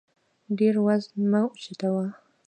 ډېر وزن مه اوچتوه